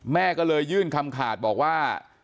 แม่ก็เลยยื่นคำขาดบอกว่า